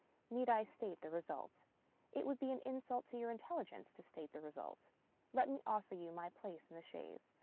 Need I state the result ? It would be an insult to your intelligence to state the result. Let me offer you my place in the chaise.